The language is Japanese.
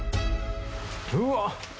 うわっ！